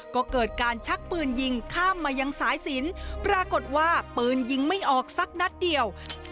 ก็เกิดการชักปืนยิงข้ามมายังสายสินปรากฏว่าปืนยิงไม่ออกสักนัดเดียว